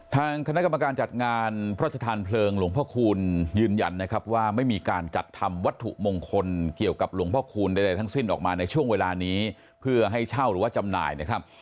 ทางคณะกรรมการจัดงานพระชธานเพลิงหลวงพ่อคูณยืนยันนะครับว่าไม่มีการจัดทำวัตถุมงคลเกี่ยวกับหลวงพ่อคูณใดทั้งสิ้นออกมาในช่วงเวลานี้เพื่อให้เช่าหรือว่าจำหน่ายนะครับ